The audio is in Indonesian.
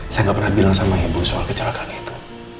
saya nggak pernah bilang sama ibu soal kecelakaan itu